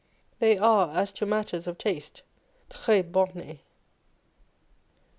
They are, as to matters of taste, tres homes.